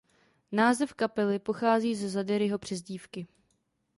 Název kapely pochází z Zaderyho přezdívky.